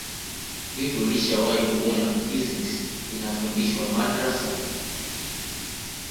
hivi ulishawahi kuona physics inafundishwa madrasa